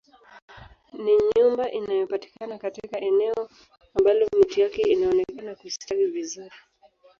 Ni nyumba inayopatikana katika eneo ambalo miti yake inaonekana kustawi vizuri